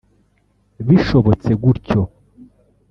Bishobotse gutyo